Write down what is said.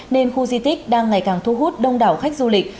nên khu di tích đang ngày càng thu hút đông đảo khách du lịch